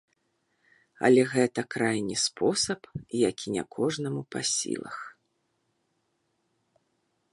Але гэта крайні спосаб, які не кожнаму па сілах.